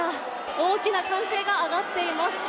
大きな歓声が上がっています。